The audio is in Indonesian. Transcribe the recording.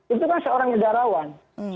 itu kan seorang negarawan